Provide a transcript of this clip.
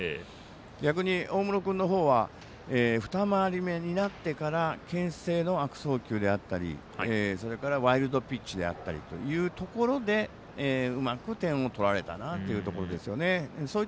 逆に、大室君のほうは２回り目になってからけん制の悪送球であったりそれからワイルドピッチであったりというところでうまく点を取られたなというところですよね。